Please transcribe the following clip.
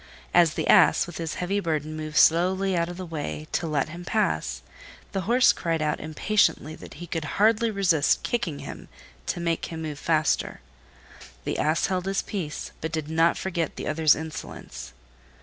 As the Ass with his heavy burden moved slowly out of the way to let him pass, the Horse cried out impatiently that he could hardly resist kicking him to make him move faster. The Ass held his peace, but did not forget the other's insolence.